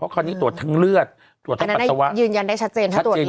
อันนี้นะหล่อที่ตรวจผู้เช่นอีก